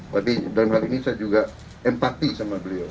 tapi dalam hal ini saya juga empati sama beliau